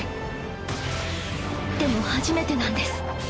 でも初めてなんです